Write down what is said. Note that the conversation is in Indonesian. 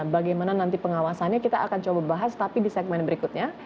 bagaimana nanti pengawasannya kita akan coba bahas tapi di segmen berikutnya